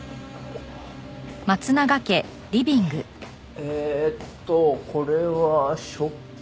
えーっとこれは食器かな？